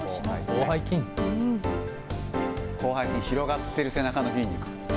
広背筋、広がっている背中の筋肉。